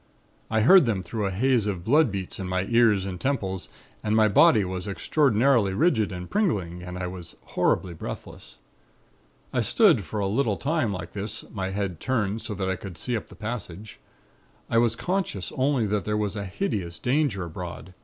I heard them through a haze of blood beats in my ears and temples and my body was extraordinarily rigid and pringling and I was horribly breathless. I stood for a little time like this, my head turned so that I could see up the passage. I was conscious only that there was a hideous danger abroad.